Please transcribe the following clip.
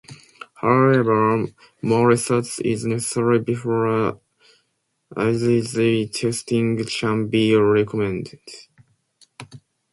However, more research is necessary before IgG testing can be recommended.